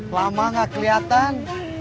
lama gak keliatan